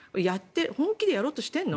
本気でやろうとしてるの？